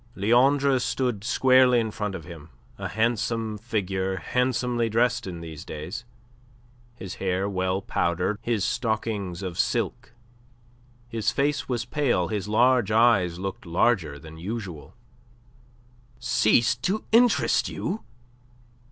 Leandre stood squarely in front of him, a handsome figure handsomely dressed in these days, his hair well powdered, his stockings of silk. His face was pale, his large eyes looked larger than usual. "Ceased to interest you?